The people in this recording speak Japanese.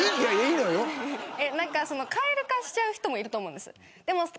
蛙化しちゃう人もいると思うんです。